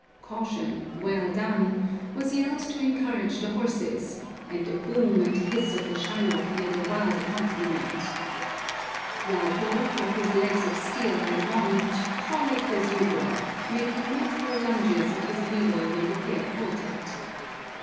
_ ('Caution!' 'Well done!') was yelled to encourage the horses, and the boom and hiss of the Shayok made a wild accompaniment. Gyalpo, for whose legs of steel I longed, frolicked as usual, making mirthful lunges at his leader when the pair halted.